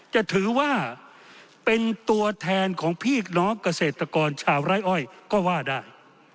จะถือว่าเป็นตัวแทนของพี่น้องเกษตรกรชาวไร้อ้อยก็ว่าได้